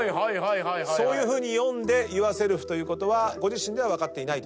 そういうふうに読んでユアセルフということはご自身では分かっていないと。